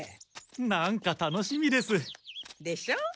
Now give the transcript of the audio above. なんか楽しみです。でしょ？